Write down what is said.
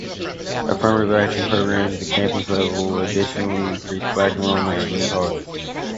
Affirmative action programs at the campus level additionally increased Black enrollment at many colleges.